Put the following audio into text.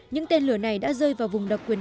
những tên lửa này đã rơi vào vùng độc quyền